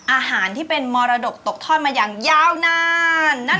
อาหารที่เป็นมรดกตกทอดมาอย่างยาวนาน